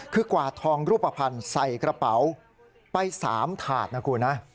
คือกวาดทองรูปภัณฑ์ใส่กระเป๋าไป๓ถาดนะคุณนะ